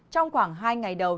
trong khoảng hai ngày đầu